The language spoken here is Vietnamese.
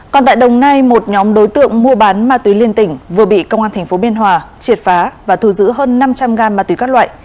còn tại đồng nai một nhóm đối tượng mua bán ma túy liên tỉnh vừa bị công an thành phố biên hòa triệt phá và thù giữ hơn năm trăm linh gam ma túy các loại